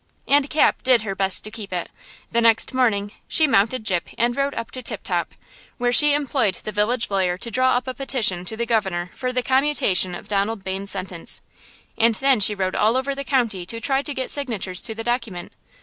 And Cap did her best to keep it. The next morning she mounted Gyp and rode up to Tip Top, where she employed the village lawyer to draw up a petition to the Governor for the commutation of Donald Bayne's sentence. And then she rode all over the county to try to get signatures to the document.